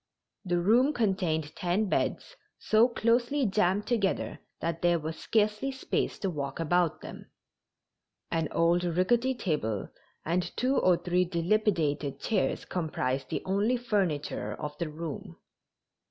The room contained ten beds, so closely jammed together that there was scarcely space to walk about them. An old rickety table and two or three dilapidated chairs comprised the only furniture of the room.